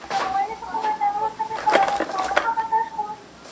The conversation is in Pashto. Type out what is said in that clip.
لا په اورونو کي تازه پاته ده!!